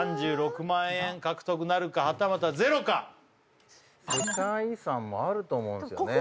３６万円獲得なるかはたまた０か世界遺産もあると思うんですよね